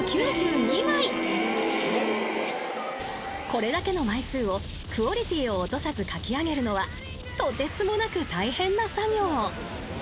［これだけの枚数をクオリティーを落とさず描き上げるのはとてつもなく大変な作業］